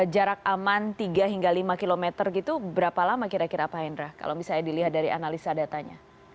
jarak aman tiga hingga lima km gitu berapa lama kira kira pak hendra kalau misalnya dilihat dari analisa datanya